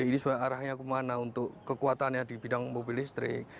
ini sebenarnya arahnya kemana untuk kekuatannya di bidang mobil listrik